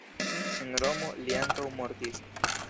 En Romo li ankaŭ mortis.